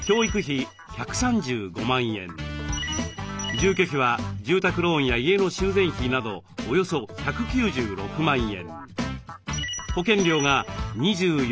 住居費は住宅ローンや家の修繕費などおよそ１９６万円。